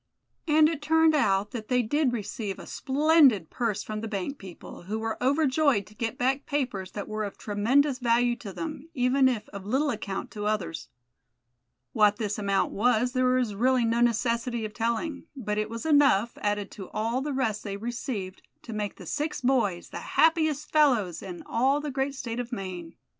And it turned out that they did receive a splendid purse from the bank people, who were overjoyed to get back papers that were of tremendous value to them, even if of little account to others. What this amount was there is really no necessity of telling; but it was enough, added to all the rest they received, to make the six boys the happiest fellows in all the great state of Maine.